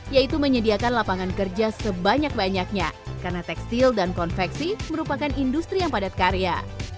yaitu menyediakan lapangan kerja sebanyak banyaknya karena tekstil dan konveksi merupakan industri yang padat karya